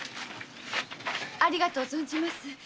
ありがとう存じます。